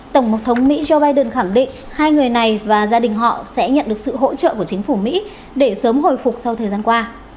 tổng thống mỹ joe biden khẳng định hai người này và gia đình họ sẽ nhận được sự hỗ trợ của chính phủ mỹ để sớm hồi phục sau thời gian qua